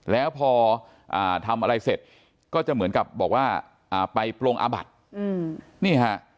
แล้วพอทำอะไรเสร็จก็จะเหมือนกับบอกว่าไปโปรงอาบัตินี่ฮะ